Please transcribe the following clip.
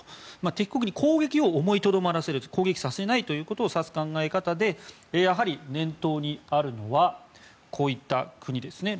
敵国に攻撃を思いとどまらせ攻撃させないということを指す考え方でやはり念頭にあるのはこういった国ですね。